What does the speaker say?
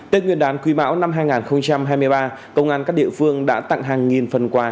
tết nguyên đán quý mão năm hai nghìn hai mươi ba công an các địa phương đã tặng hàng nghìn phần quà